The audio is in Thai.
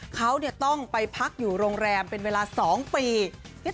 เขาต้องไปพักอยู่โรงแรมเป็นเวลา๒ปี